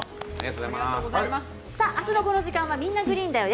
明日のこの時間は「みんな！グリーンだよ」